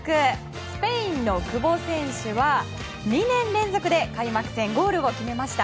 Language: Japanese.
スペインの久保選手は２年連続で開幕戦ゴールを決めました。